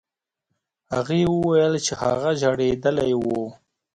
هغې وویل چې هغه ژړېدلی و.